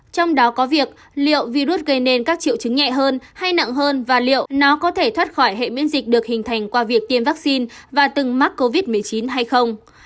trong đó có việc liệu virus gây nên các triệu chứng nhẹ hơn hay nặng hơn và liệu nó có thể thoát khỏi hệ miễn dịch được hình thành qua việc tiêm vaccine và từng mắc covid một mươi chín hay không